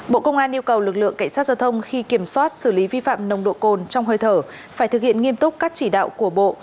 bộ công an yêu cầu lực lượng cảnh sát giao thông khi kiểm soát xử lý vi phạm nồng độ cồn trong hơi thở phải thực hiện nghiêm túc các chỉ đạo của bộ